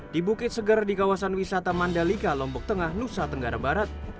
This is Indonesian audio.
di bukit segar di kawasan wisata mandalika lombok tengah nusa tenggara barat